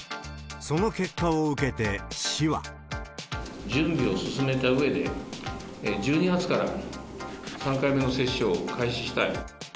その結果を受けて、準備を進めたうえで、１２月から３回目の接種を開始したい。